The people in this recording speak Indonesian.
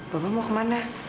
bapak mau kemana